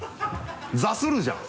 座するじゃん！